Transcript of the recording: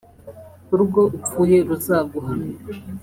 “ Urwo upfuye ruzaguhame”